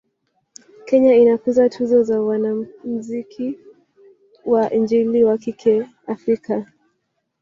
Kenya inakuza tuzo za wanamzuki wa injili wa kike Afika